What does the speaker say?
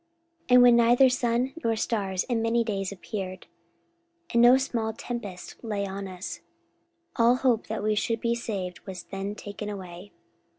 44:027:020 And when neither sun nor stars in many days appeared, and no small tempest lay on us, all hope that we should be saved was then taken away.